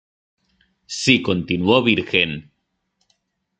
Si continúo virgen.